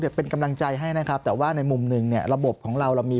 ก็คะเธอเป็นกำลังใจให้นะครับแต่ว่าในมุมหนึ่งระบบของเรามี